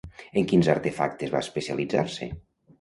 En quins artefactes va especialitzar-se?